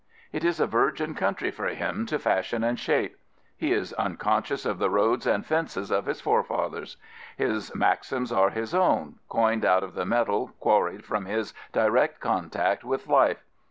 It is a virgin country for him to fashion and shape. He is unconscious of the roads and fences of his forefathers. His maxims are his own, coined out of the metal quarried from his direct contact with life.